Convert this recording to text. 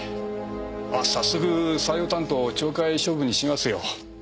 まあ早速採用担当を懲戒処分にしますよ。